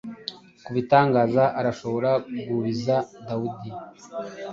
Kubitangaza arahobora, guubiza dawidi